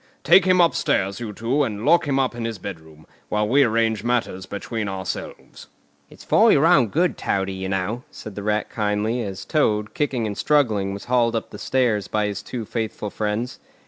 Take him upstairs, you two, and lock him up in his bedroom, while we arrange matters between ourselves." "It's for your own good, Toady, you know," said the Rat kindly, as Toad, kicking and struggling, was hauled up the stairs by his two faithful friends.